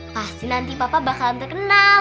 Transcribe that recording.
pasti nanti papa bakal terkenal